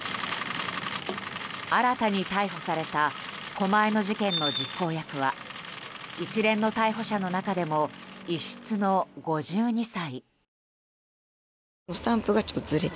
新たに逮捕された狛江の事件の実行役は一連の逮捕者の中でも異質の５２歳。